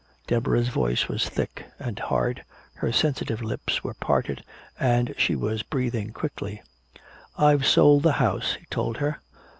Deborah's voice was thick and hard, her sensitive lips were parted and she was breathing quickly. "I've sold the house," he told her.